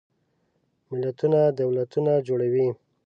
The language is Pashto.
ملتونه دولتونه جوړوي.